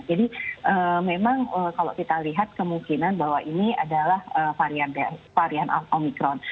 jadi memang kalau kita lihat kemungkinan bahwa ini adalah varian omicron